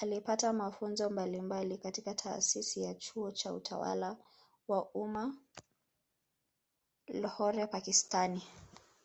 Alipata mafunzo mbalimbali katika Taasisi ya Chuo cha Utawala wa Umma Lahore Pakistani